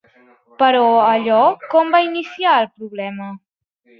Però allò com va iniciar el problema?